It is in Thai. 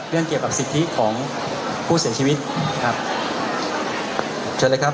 เรื่องเกี่ยวกับสิทธิของผู้เสียชีวิตครับเชิญเลยครับ